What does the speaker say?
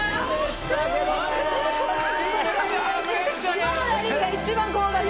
今のラリーが一番怖かった。